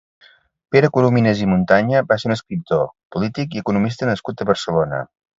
Pere Coromines i Montanya va ser un escriptor, polític i economista nascut a Barcelona.